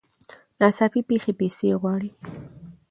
ناڅاپي پېښې پیسې غواړي.